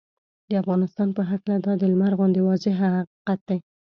د افغانستان په هکله دا د لمر غوندې واضحه حقیقت دی